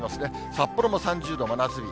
札幌も３０度、真夏日。